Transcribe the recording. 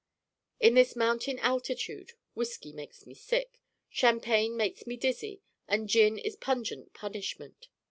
In this mountain altitude whiskey makes me sick, champagne makes me dizzy and gin is a pungent punishment.